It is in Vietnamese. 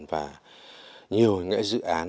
và nhiều những cái dự án